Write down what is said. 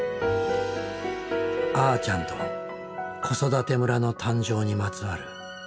あーちゃんと子育て村の誕生にまつわる物語。